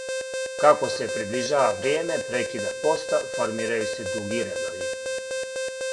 Како се приближава вријеме прекида поста, формирају се дуги редови.